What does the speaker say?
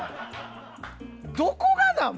どこがなん？